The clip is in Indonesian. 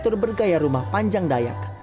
tergaya rumah panjang dayak